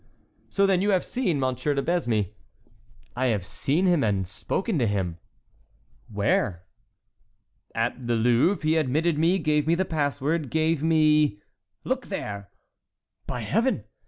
"So then you have seen Monsieur de Besme?" "I have seen him and spoken to him." "Where?" "At the Louvre. He admitted me, gave me the pass word, gave me"— "Look there!" "By Heaven!